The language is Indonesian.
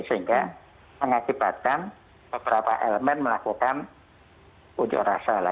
sehingga mengakibatkan beberapa elemen melakukan ujuk rasa